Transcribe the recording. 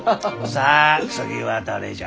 さあ次は誰じゃ？